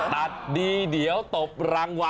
ตัดดีเดี๋ยวตบรางวัล